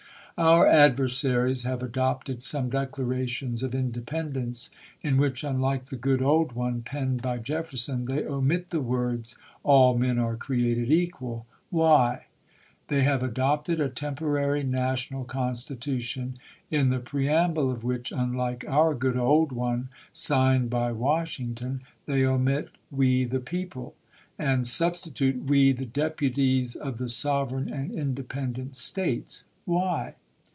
.. Our adversaries have adopted some declarations of in dependence, in which unlike the good old one, penned by Jefferson, they omit the words, ^'all men are created equal." Why ? They have adopted a temporary national constitution, in the preamble of which, unlike our good old one, signed by Washington, they omit, "We, the people," and substitute, " We, the deputies of the sovereign and independent States." Why?